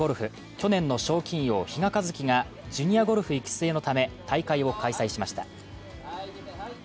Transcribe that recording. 去年の賞金王、比嘉一貴がジュニアゴルフ育成のため大会を開催しました。